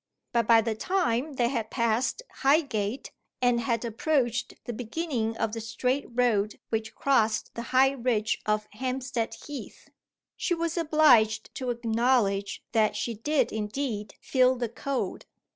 But by the time they had passed Highgate, and had approached the beginning of the straight road which crosses the high ridge of Hampstead Heath, she was obliged to acknowledge that she did indeed feel the cold.